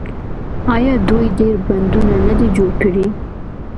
آیا دوی ډیر بندونه نه دي جوړ کړي؟